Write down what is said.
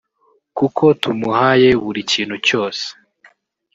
kuko tumuhaye buri kintu cyose